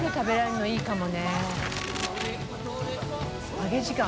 揚げ時間。